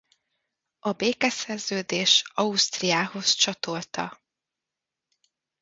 A békeszerződés Ausztriához csatolta.